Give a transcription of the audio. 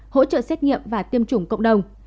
hỗ trợ xét nghiệm và tiêm chủng cộng đồng